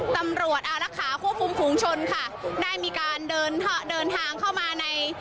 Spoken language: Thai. ตำรวจอารักษาควบคุมฝูงชนค่ะได้มีการเดินทางเข้ามาใน